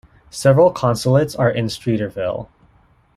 Several consulates are in Streeterville.